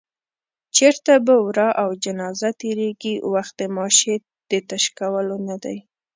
چېرته به ورا او جنازه تېرېږي، وخت د ماشې د تش کولو نه دی